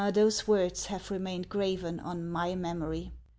' Those words have remained graven on my memory.